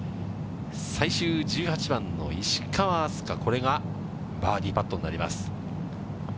最終１８番の石川明日香、これがバーディーパットになります。